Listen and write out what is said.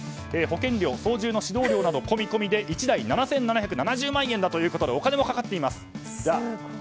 保険料、操縦の指導料込み込みで１台７７７０万円ということでお金もかかっています。